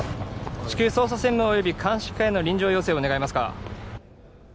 至急捜査専務および鑑識課への臨場要請を願えますか？